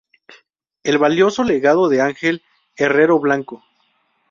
El valioso legado de Ángel Herrero Blanco".